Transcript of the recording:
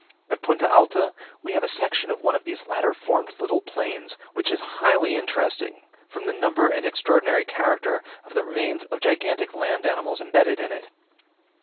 At Punta Alta we have a section of one of these later formed little plains, which is highly interesting from the number and extraordinary character of the remains of gigantic land animals embedded in it.